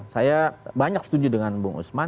saya banyak setuju dengan bung usman